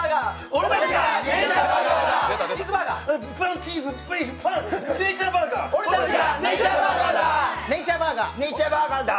俺たちがネイチャーバーガーだ！